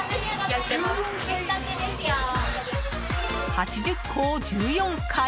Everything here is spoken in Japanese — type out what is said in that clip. ８０個を１４回。